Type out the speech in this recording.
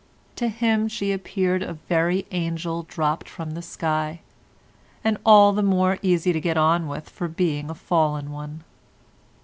To him she appeared a very angel dropped from the sky, and all the more easy to get on with for being a fallen one.